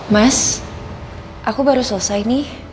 mas aku baru selesai nih